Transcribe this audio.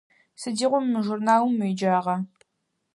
Сыдигъо мы журналым уеджагъа?